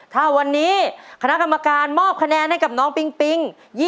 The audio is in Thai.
ถ้าวันนี้คณะกรรมการมอบคะแนนให้กับน้องปิงปิ๊ง